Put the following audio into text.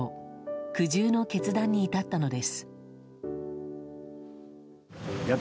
苦渋の決断に至ったのです。